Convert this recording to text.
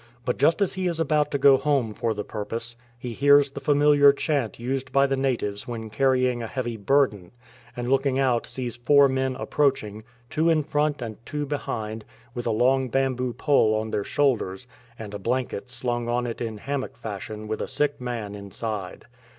But just as he is about to go home for the purpose, he hears the familiar chant used by the natives when carrying a heavy burden, and looking out sees four men approaching, two in front and two behind, with a long bamboo pole on their shoulders, and a blanket slung on it in hammock fashion with a sick man inside.